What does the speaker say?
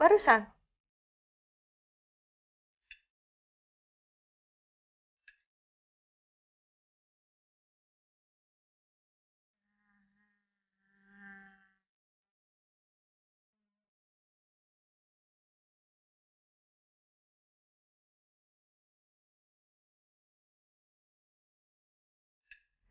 harus habis ya